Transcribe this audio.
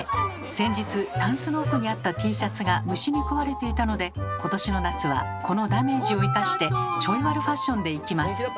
先日タンスの奥にあったＴシャツが虫に食われていたので今年の夏はこのダメージを生かしてちょい悪ファッションでいきます。